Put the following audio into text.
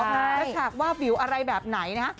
และฉากว่าวิวอะไรแบบไหนนะฮะ